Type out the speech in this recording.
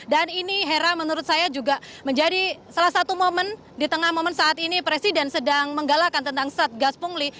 dan ini hera menurut saya juga menjadi salah satu momen di tengah momen saat ini presiden sedang menggalakkan tentang satgas pungli